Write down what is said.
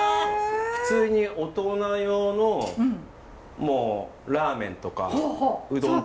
普通に大人用のもうラーメンとかうどんとかも。